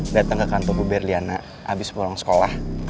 datang ke kantor bu berliana abis pulang sekolah